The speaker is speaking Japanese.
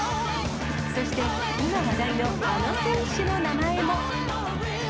そして、今話題のあの選手の名前も。